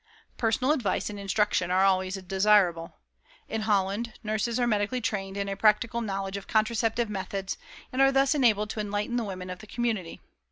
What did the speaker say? Personal advice and instruction are always desirable. In Holland nurses are medically trained in a practical knowledge of contraceptive methods, and are thus enabled to enlighten the women of the community.